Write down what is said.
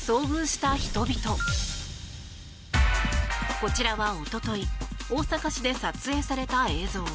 こちらはおととい大阪市で撮影された映像。